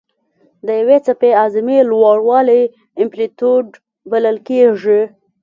د یوې څپې اعظمي لوړوالی امپلیتیوډ بلل کېږي.